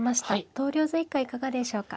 投了図以下いかがでしょうか。